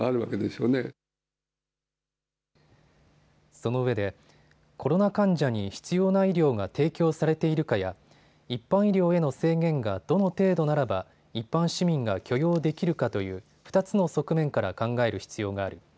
そのうえでコロナ患者に必要な医療が提供されているかや一般医療への制限がどの程度ならば一般市民が許容できるかという２つの側面から考える必要がある。